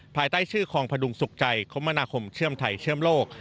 ภายใต้ชื่อคลองพดุงสุขใจคมนาคมเชื่อมไทยเชื่อมโลก